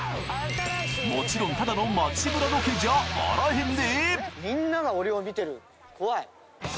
もちろんただの街ブラロケじゃあらへんで！